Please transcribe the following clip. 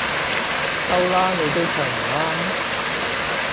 收啦，你都唱唔啱